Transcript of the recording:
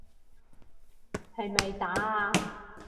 係咪打啊？